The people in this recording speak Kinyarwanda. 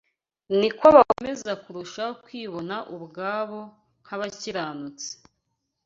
niko bakomeza kurushaho kwibona ubwabo nk’abakiranutsi.